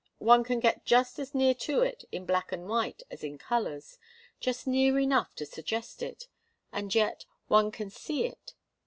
One can get just as near to it in black and white as in colours, just near enough to suggest it, and yet one can see it.